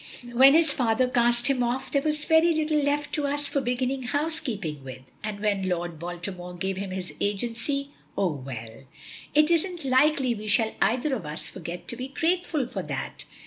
When his father cast him off there was very little left to us for beginning housekeeping with, and when Lord Baltimore gave him his agency Oh, well! it isn't likely we shall either of us forget to be grateful for that.